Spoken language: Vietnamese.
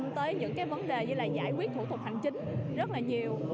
tới những cái vấn đề như là giải quyết thủ tục hành chính rất là nhiều